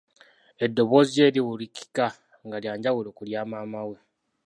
Eddoboozi lye liwulikika nga lya njawulo ku lya maamawe.